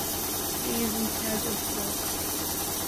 He is in charge of "boke".